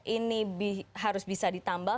ini harus bisa ditambal